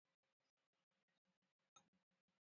Hegoen azpialdea ere argiagoa da, laranja kolorekoa.